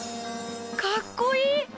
かっこいい！